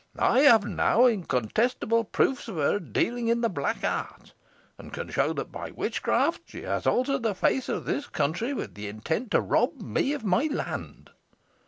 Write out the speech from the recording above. I have now incontestable proofs of her dealing in the black art, and can show that by witchcraft she has altered the face of this country, with the intent to rob me of my land."